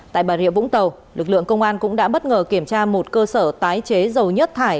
tại bà rịa vũng tàu lực lượng công an cũng đã bất ngờ kiểm tra một cơ sở tái chế dầu nhất thải